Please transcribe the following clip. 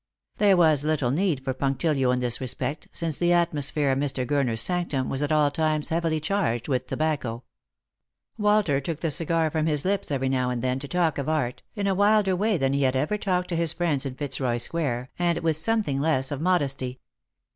There was little need for punctilio in this respect, since the atmosphere of Mr. Gurner's sanctum was at all times heavily charged with tobacco. Walter took the cigar from his lips every now and then to talk of art, in a wilder way than he had ever talked to his friends in Fitzroy square, and with something less of modesty.